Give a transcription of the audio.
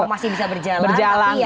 oh masih bisa berjalan tapi ya